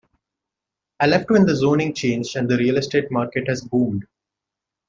I left when the zoning changed and the real estate market has boomed.